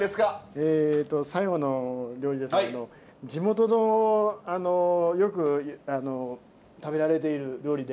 えっと最後の料理ですけど地元のよく食べられている料理で。